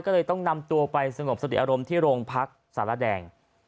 ก็เลยต้องนำตัวไปสงบสติอารมณ์ที่โรงพักสารแดง